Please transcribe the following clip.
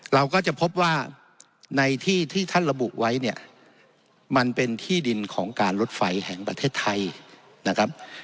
เราก็จะพบว่าในที่ที่ท่านระบุไว้เนี่ยมันเป็นที่ดินของการรถไฟแห่งประเทศไทยนะครับ